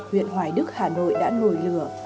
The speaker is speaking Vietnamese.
huyện hoài đức hà nội đã nổi lửa